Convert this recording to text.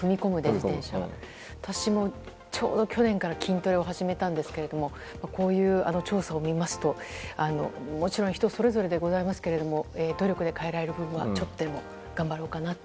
私も去年から筋トレを始めたんですがこういう調査を見ますともちろん人それぞれでございますけど努力で変えられる部分はちょっとでも頑張ろうかなって。